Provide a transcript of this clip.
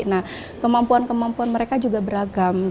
nah kemampuan kemampuan mereka juga beragam